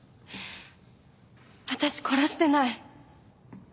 私殺してない。